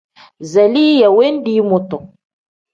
Zaliya wendii mutu.